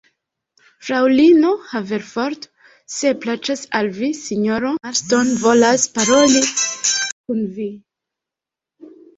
Fraŭlino Haverford, se plaĉas al vi, sinjoro Marston volas paroli kun vi.